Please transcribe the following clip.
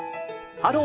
「ハロー！